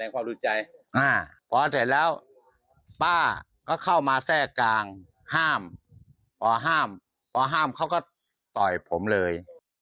พอเสร็จแล้วป้าก็เข้ามาแทรกกลางห้ามพอห้ามพอห้ามเขาก็ต่อยผมเลย